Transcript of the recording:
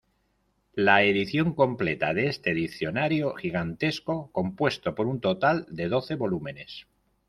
La edición completa de este diccionario gigantesco compuesto por un total de doce volúmenes.